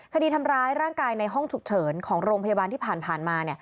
คดีทำร้ายร่างกายในห้องฉุกเฉินของโรงพยาบาลที่ผ่านมา